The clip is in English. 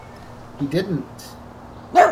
He didn't!